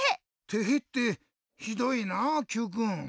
「てへ！」ってひどいなあＱくん。